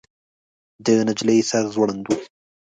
د نجلۍ سر ځوړند و.